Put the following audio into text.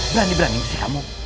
berani berani bersih kamu